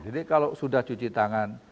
jadi kalau sudah cuci tangan